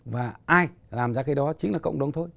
và ai làm ra cái đó chính là cộng đồng thôi